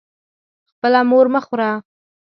خپله مور مه خوره.